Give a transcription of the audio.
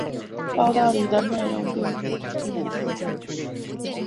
报道里的内容并不能证明桑兰撒谎。